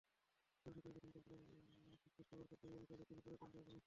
পরিষদের গঠনতন্ত্র, সবশেষ সভার কার্যবিবরণী চাইলে তিনি পরের দিন যাওয়ার পরামর্শ দেন।